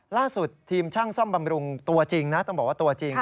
ล่าสุดทีมช่างซ่อมบำรุงตัวจริงนะต้องบอกว่าตัวจริง